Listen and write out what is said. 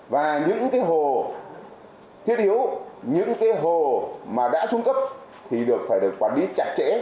và những cái hồ thiết yếu những cái hồ mà đã xuống cấp thì được phải được quản lý chặt chẽ